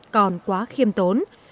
còn quá khiêm tốn